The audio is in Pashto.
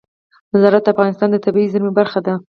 زراعت د افغانستان د طبیعي زیرمو برخه ده.